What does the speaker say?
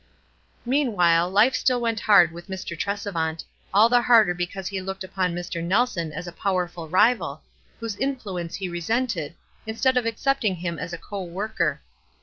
Meanwhile life still went hard with Mr. Trcs evant, all the harder because he looked upon Mr. Kelson as a powerful rival, whose influence he resented, instead of accepting him as a co worker.